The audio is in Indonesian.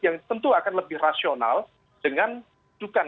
yang tentu akan lebih rasional dengan dukan